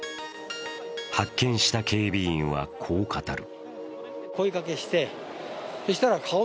発見した警備員は、こう語る。